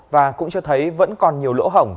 và cũng cho thấy vẫn còn nhiều lỗ hổng